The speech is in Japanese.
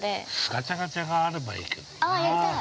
◆ガチャガチャがあればいいけどなぁ。◆やりたい。